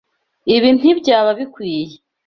Ibi ntibyaba bikwiye.